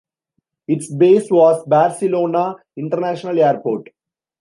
Its base was Barcelona International Airport.